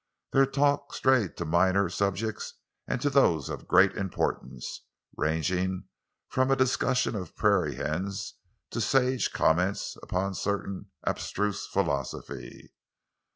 Their talk strayed to minor subjects and to those of great importance, ranging from a discussion of prairie hens to sage comment upon certain abstruse philosophy.